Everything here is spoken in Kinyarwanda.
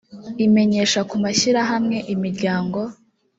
imenyesha ku mashyirahamwe imiryango